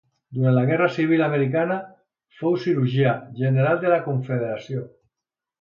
Durant la Guerra civil americana, fou Cirurgià General de la Confederació.